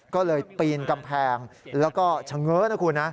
ก็เลยปีนกำแพงแล้วก็ฉังเงินให้ดู